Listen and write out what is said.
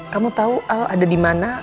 kamu tau al ada dimana